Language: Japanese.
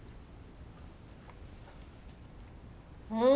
うん！